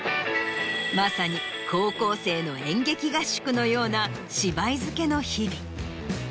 まさに高校生の演劇合宿のような芝居漬けの日々。